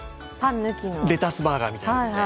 レタスバーガーみたいなのですか？